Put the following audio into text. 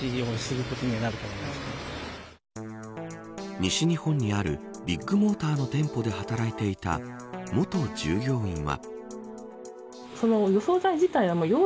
西日本にあるビッグモーターの店舗で働いていた元従業員は。